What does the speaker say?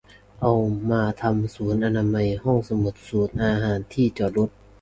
เอามาทำศูนย์อนามัย ห้องสมุด ศูนย์อาหาร ที่จอดรถ